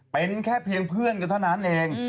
เป็นแค่เพียงเพื่อนกันเท่านั้นเอง